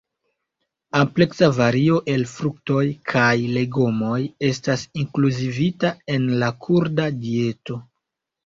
Ampleksa vario el fruktoj kaj legomoj estas inkluzivita en la kurda dieto.